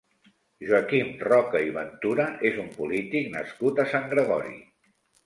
Joaquim Roca i Ventura és un polític nascut a Sant Gregori.